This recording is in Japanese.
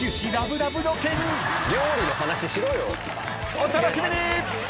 ［お楽しみに］